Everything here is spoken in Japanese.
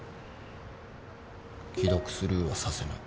既読スルーはさせない。